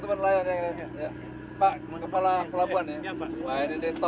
terima kasih banget